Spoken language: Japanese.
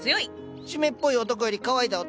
湿っぽい男より乾いた男が好きと。